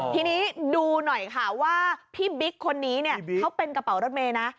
ทีนี้ดูหน่อยค่ะว่าพี่บิ๊กคนนี้เนี่ยเขาเป็นกระเป๋ารถเมย์นะ